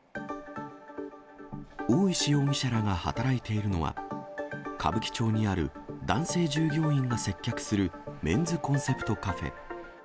大石容疑者らが働いているのは、歌舞伎町にある男性従業員が接客するメンズコンセプトカフェ。